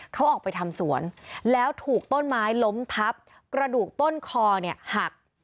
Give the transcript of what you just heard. เขาออกไปทำสวนแล้วถูกต้นไม้ล้มทับกระดูกต้นคอเนี่ยหัก